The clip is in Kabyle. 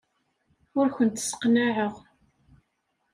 Ur kent-sseqnaɛeɣ.